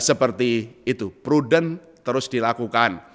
seperti itu prudent terus dilakukan